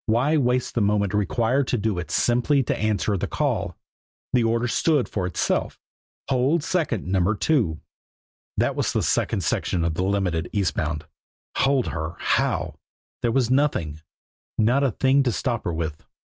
Why waste the moment required to do it simply to answer the call? The order stood for itself "Hold second Number Two." That was the second section of the Limited, east bound. Hold her! How? There was nothing not a thing to stop her with.